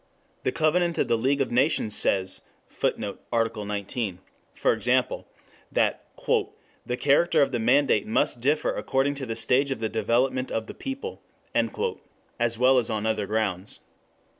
The Covenant of the League of Nations says, [Footnote: Article XIX.] for example, that "the character of the mandate must differ according to the stage of the development of the people," as well as on other grounds.